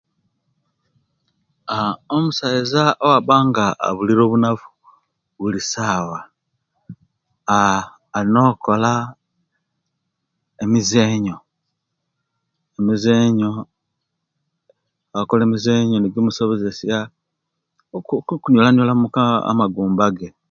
Aaa omusaiza obwaba nga abulira obunafu bulisawa aaa alina okola emizenyu emizenyu owakola emizenyu nejimusobozesya okuniola niola muku amagumba